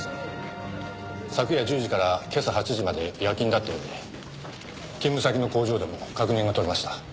昨夜１０時から今朝８時まで夜勤だったようで勤務先の工場でも確認が取れました。